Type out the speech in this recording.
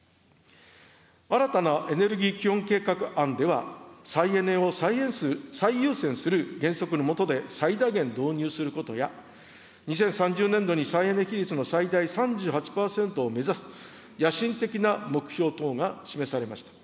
新たなエネルギー基本計画案では、再エネを最優先する原則の下で最大限導入することや、２０３０年度に再エネ比率の最大３８％を目指す野心的な目標等が示されました。